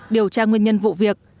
điều tra nguyên nhân vụ việc